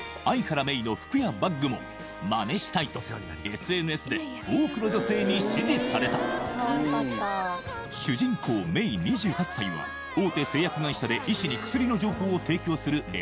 相原メイの服やバッグも「マネしたい」とＳＮＳで多くの女性に支持された主人公メイ２８歳は大手製薬会社で医師に薬の情報を提供するＭＲ